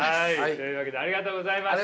というわけでありがとうございました。